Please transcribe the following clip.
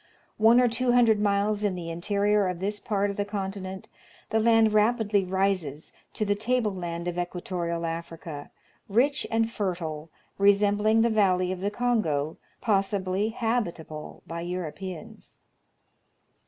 One or two hundred miles in the interior of this part of the continent, the land rapidly rises to the tableland of equato rial Africa, rich and fertile, resembling the valley of the Kongo, possibly habitable by Europeans.